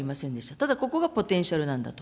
ただ、ここがポテンシャルなんだと。